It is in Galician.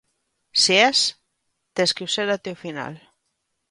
Se es tes que o ser até o final.